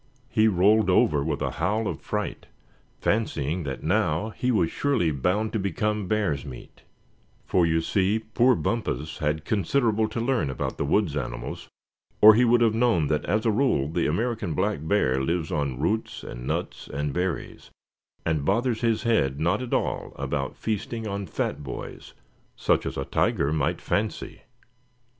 He rolled over with a howl of fright, fancying that now he was surely bound to become bear's meat; for you see poor Bumpus had considerable to learn about the woods animals, or he would have known that as a rule the American black bear lives on roots and nuts and berries, and bothers his head not at all about feasting on fat boys, such as a tiger might fancy.